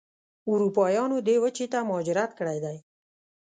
اروپایانو دې وچې ته مهاجرت کړی دی.